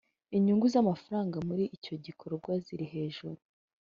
inyungu z amafaranga muri icyo gikorwa ziri hejuru